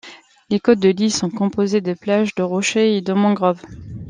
Les côtes de l'ile sont composées de plages, de rochers et de mangrove.